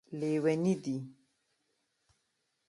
لیوني دی